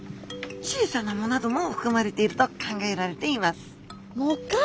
小さな藻などもふくまれていると考えられています藻か。